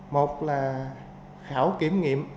một là khảo kiểm nghiệm